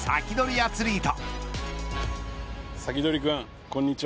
アツリート。